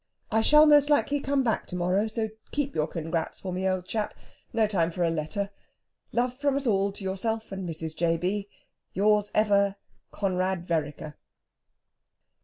"I shall most likely be back to morrow, so keep your congrats. for me, old chap. No time for a letter. Love from us all to yourself and Mrs. J. B. "Yours ever, "CONRAD VEREKER.